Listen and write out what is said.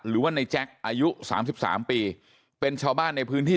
หรือว่าในแจ๊กอายุ๓๓ปีเป็นชาวบ้านในพื้นที่